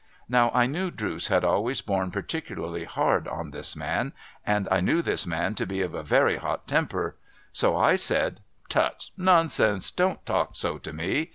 ' Now, I knew Drooce had always borne particularly hard on this man, and I knew this man to be of a very hot temper : so, I said :' Tut, nonsense ! don't talk so to me